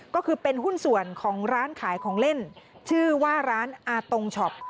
ก็คือเป็นหุ้นส่วนของร้านขายของเล่นชื่อว่าร้านอาตงช็อป